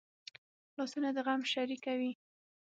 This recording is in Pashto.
لاسونه د غم شریکه وي